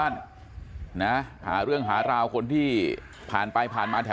เนี่ย